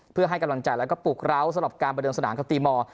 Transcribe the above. เพื่อให้กำลังใจแล้วก็ปลุกร้าวสำหรับการประเดิมสนามกับตีมอร์